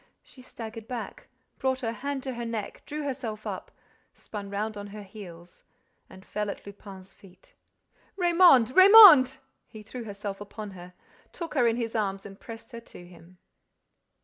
She staggered back, brought her hand to her neck, drew herself up, spun round on her heels and fell at Lupin's feet. "Raymonde!—Raymonde!" He threw himself upon her, took her in his arms and pressed her to him.